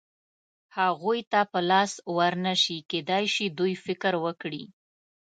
هغوی ته په لاس ور نه شي، کېدای شي دوی فکر وکړي.